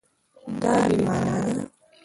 دا بې مانا ده